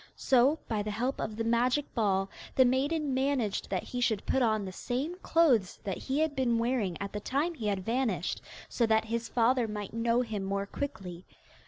So, by the help of the magic ball, the maiden managed that he should put on the same clothes that he had been wearing at the time he had vanished, so that his father might know him more quickly.